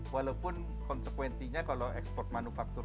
walaupun konsekuensinya kalau ekspor manufaktur